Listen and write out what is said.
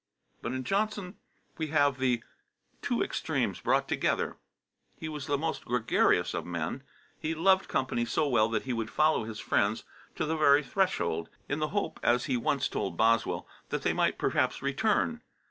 But in Johnson we have the two extremes brought together. He was the most gregarious of men; he loved company so well that he would follow his friends to the very threshold, in the hope, as he once told Boswell, that they might perhaps return.